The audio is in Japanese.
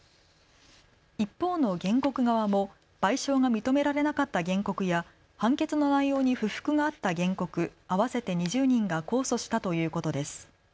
一方の原告側も賠償が認められなかった原告や判決の内容に不服があった原告合わせて２０人が控訴したということです。